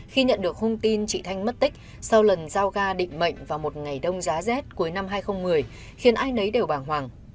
khi nhận được hung tin chị thanh mất tích sau lần giao ga định mệnh vào một ngày đông giá rét cuối năm hai nghìn một mươi khiến ai nấy đều bàng hoàng